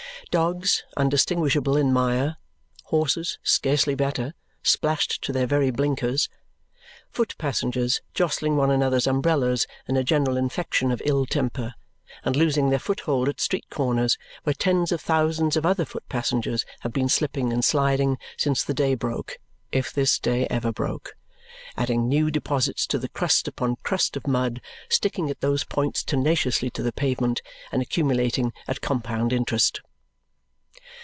Dogs, undistinguishable in mire. Horses, scarcely better; splashed to their very blinkers. Foot passengers, jostling one another's umbrellas in a general infection of ill temper, and losing their foot hold at street corners, where tens of thousands of other foot passengers have been slipping and sliding since the day broke (if this day ever broke), adding new deposits to the crust upon crust of mud, sticking at those points tenaciously to the pavement, and accumulating at compound interest.